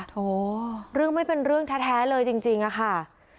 โถเรื่องไม่เป็นเรื่องแท้เลยจริงอะค่ะ